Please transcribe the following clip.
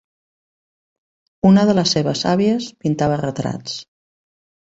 Una de les seves àvies pintava retrats.